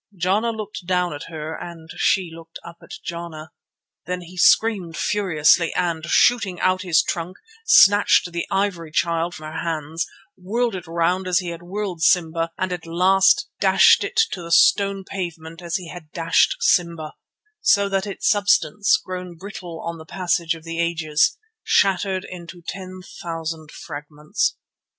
Jana looked down at her and she looked up at Jana. Then he screamed furiously and, shooting out his trunk, snatched the Ivory Child from her hands, whirled it round as he had whirled Simba, and at last dashed it to the stone pavement as he had dashed Simba, so that its substance, grown brittle in the passage of the ages, shattered into ten thousand fragments.